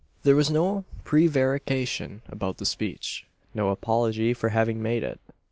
There was no prevarication about the speech no apology for having made it.